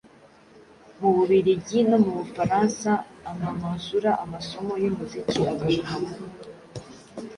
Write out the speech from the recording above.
mu Bubiligi no mu Bufaransa - anononsora amasomo y'umuziki, agaruka mu